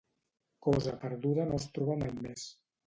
Cosa perduda no es troba mai més.